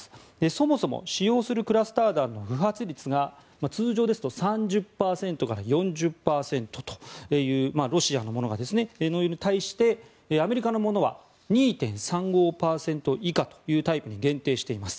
そもそも使用するクラスター弾の不発率が通常ですとロシアのものが３０％から４０％というのに対してアメリカのものは２．３５％以下というタイプに限定しています。